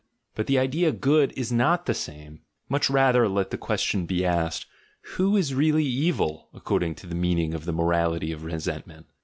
But the 22 THE GENEALOGY OF MORALS idea "good" is not the same: much rather let the question be asked, "Who is really evil according to the meaning of the morality of resentment?"